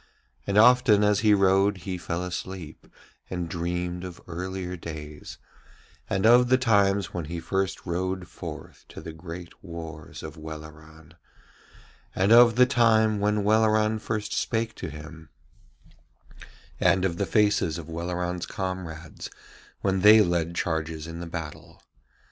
And often as he rode he fell asleep, and dreamed of earlier days, and of the times when he first rode forth to the great wars of Welleran, and of the time when Welleran first spake to him, and of the faces of Welleran's comrades when they led charges in the battle.